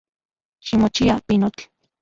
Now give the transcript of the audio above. Ximochia, pinotl.